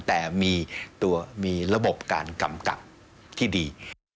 แต่มีระบบการกล่ำกลับที่ดี